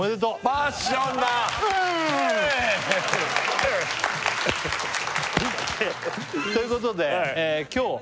パッションだということで今日